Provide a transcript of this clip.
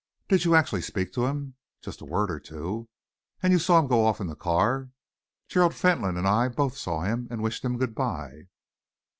"Did you actually speak to him?" "Just a word or two." "And you saw him go off in the car?" "Gerald Fentolin and I both saw him and wished him good by."